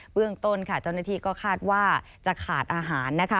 เรื่องต้นค่ะเจ้าหน้าที่ก็คาดว่าจะขาดอาหารนะคะ